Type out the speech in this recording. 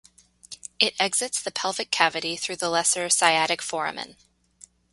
It exits the pelvic cavity through the lesser sciatic foramen.